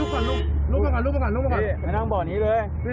ขยับขยับขออนุญาตครับผม